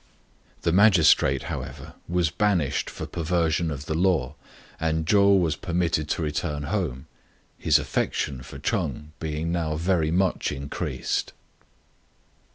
The magistrate, however, was banished for perversion of the law, and Chou was permitted to return home, his affection for Ch'eng being now very much increased.